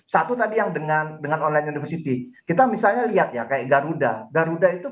satu tadi yang dengan dengan online university kita misalnya lihat ya kayak garuda garuda itu